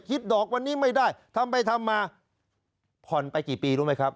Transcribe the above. ดอกวันนี้ไม่ได้ทำไปทำมาผ่อนไปกี่ปีรู้ไหมครับ